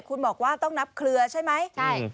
คุณบอกว่าต้องนับเคลือใช่ไหมใช่